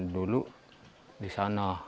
dulu di sana